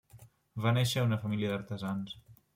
Va néixer a una família d'artesans.